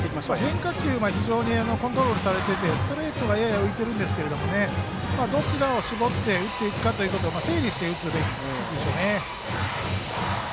変化球は非常にコントロールされていてストレートがやや浮いていますがどちらに絞って打っていくかを整理して打つべきでしょうね。